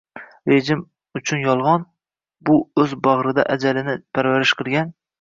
Rejim uchun yolg‘on – bu o‘z bag‘rida ajalini parvarish qilgan